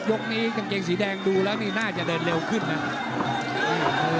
ยกนี้กางเกงสีแดงดูแล้วนี่น่าจะเดินเร็วขึ้นนะ